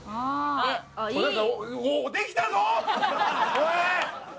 おい！